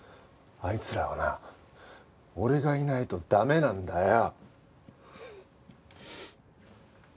あいつらはな俺がいないと駄目なんだよ。